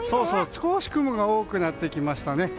少し雲が多くなってきましたね。